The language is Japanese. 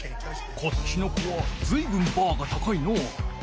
こっちの子はずいぶんバーが高いのう。